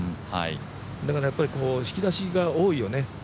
だから引き出しが多いよね。